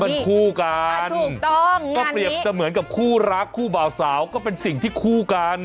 อ๋อมันคู่กันก็เปรียบเหมือนกับคู่รักคู่เบาสาวก็เป็นสิ่งที่คู่กัน